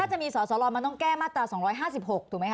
ถ้าจะมีสอสรมันต้องแก้มาตรา๒๕๖ถูกไหมค